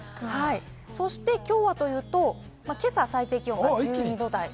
そして今日はというと、今朝、最低気温１２℃台。